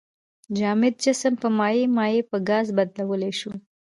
جامد جسم په مایع، مایع په ګاز بدلولی شو.